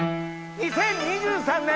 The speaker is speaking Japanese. ２０２３年。